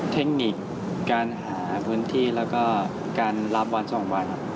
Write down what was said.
เทคนิคการหาพื้นที่แล้วก็การรับวัน๒วัน